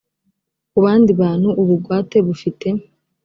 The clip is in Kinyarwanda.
ku bandi bantu ubugwate bufite